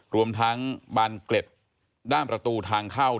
รวมทั้งบานเกล็ดด้านประตูทางเข้า